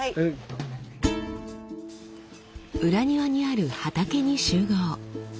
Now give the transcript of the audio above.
裏庭にある畑に集合。